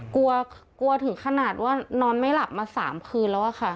กลัวกลัวถึงขนาดว่านอนไม่หลับมา๓คืนแล้วอะค่ะ